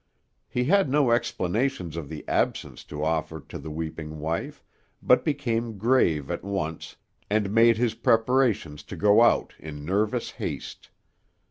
He had no explanations of the absence to offer to the weeping wife, but became grave at once, and made his preparations to go out in nervous haste.